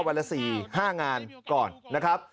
วันละ๔๕งานก่อนนะครับ